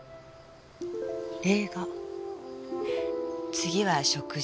次は食事。